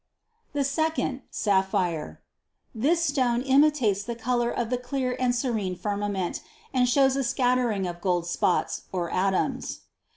286. "The second, sapphire." This stone imitates the color of the clear and serene firmament and shows a scat tering of gold spots or atoms.